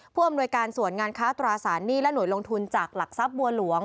ผู้อำนวยการส่วนงานค้าตราสารหนี้และหน่วยลงทุนจากหลักทรัพย์บัวหลวง